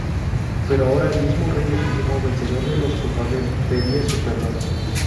Pero ahora el mismo rey legítimo, vencedor de los culpables, pedía su perdón.